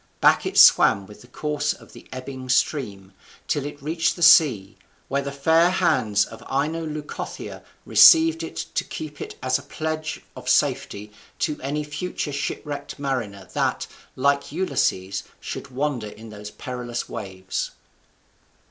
Back it swam with the course of the ebbing stream till it reached the sea, where the fair hands of Ino Leucothea received it to keep it as a pledge of safety to any future shipwrecked mariner that, like Ulysses, should wander in those perilous waves.